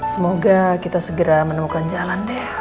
semoga kita segera menemukan jalan deh